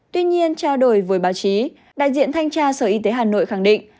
tuy nhiên trao đổi với báo chí đại diện thanh tra sở y tế hà nội khẳng định